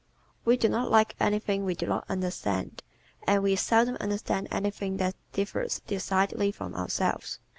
We do not like anything we do not understand and we seldom understand anything that differs decidedly from ourselves.